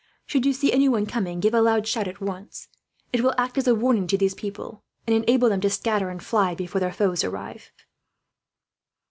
Should you see anyone coming, give a loud shout, at once. It will act as a warning to these people, and enable them to scatter and fly, before their foes arrive."